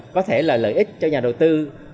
có thể là lợi ích cho nhà đầu tư